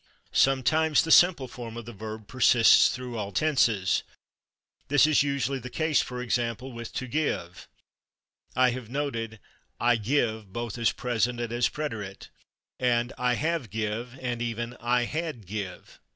Sometimes the simple form of the verb persists through all tenses. This is usually the case, for example, with /to give/. I have noted "I /give/" both as present and as preterite, and "I have /give/," and even "I had /give